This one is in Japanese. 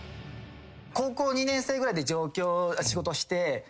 高校２年生ぐらいで上京仕事して。